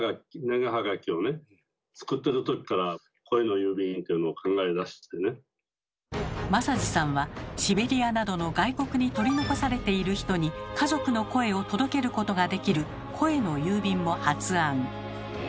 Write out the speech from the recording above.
事実としては正治さんはシベリアなどの外国に取り残されている人に家族の声を届けることができる「声の郵便」も発案。